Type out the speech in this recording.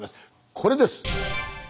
これです。